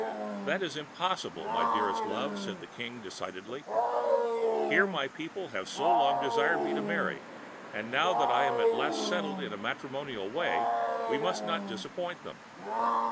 "That is impossible, my dearest love," said the King decidedly—"Here my people have so long desired me to marry, and now that I am at last settled in the matrimonial way, we must not disappoint them.